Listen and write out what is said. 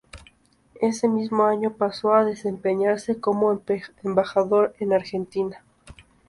Ese mismo año pasó a desempeñarse como embajador en Argentina.